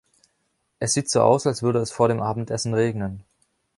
Es sieht so aus, als würde es vor dem Abendessen regnen.